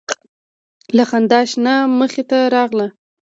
له خندا شنه مخې ته راغله